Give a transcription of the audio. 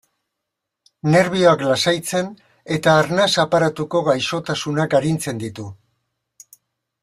Nerbioak lasaitzen eta arnas aparatuko gaixotasunak arintzen ditu.